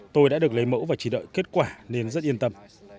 tôi đã được lấy mẫu và chỉ đợi kết quả nên rất yên tâm